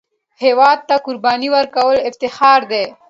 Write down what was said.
هېواد ته قرباني ورکول افتخار دی